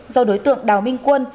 do đối tượng đào minh quân